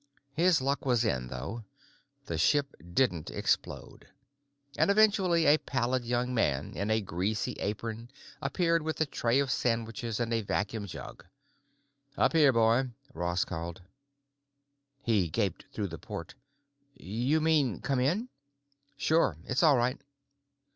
His luck was in, though. The ship didn't explode. And eventually a pallid young man in a greasy apron appeared with a tray of sandwiches and a vacuum jug. "Up here, boy," Ross called. He gaped through the port. "You mean come in?" "Sure. It's all right."